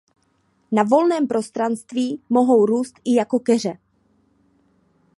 Na volném prostranství mohou růst i jako keře.